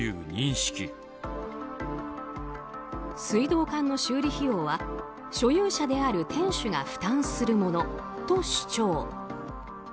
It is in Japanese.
水道管の修理費用は所有者である店主が負担するものと主張。